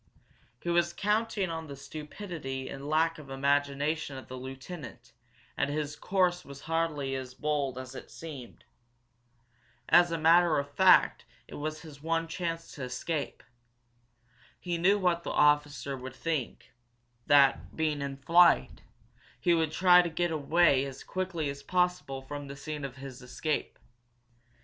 He was counting on the stupidity and lack of imagination of the lieutenant, and his course was hardly as bold as it seemed. As a matter of fact it was his one chance to escape. He knew what the officer would think that, being in flight, he would try to get away as quickly as possible from the scene of his escape.